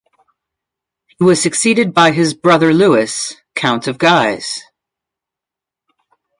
He was succeeded by his brother Louis, Count of Guise.